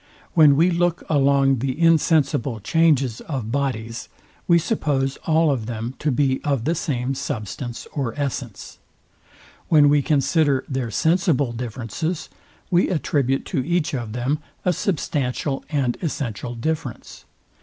When we look along the insensible changes of bodies, we suppose all of them to be of the same substance or essence. When we consider their sensible differences, we attribute to each of them a substantial and essential difference.